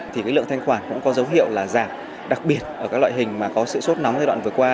thì cái lượng thanh khoản cũng có dấu hiệu là giảm đặc biệt ở các loại hình mà có sự sốt nóng giai đoạn vừa qua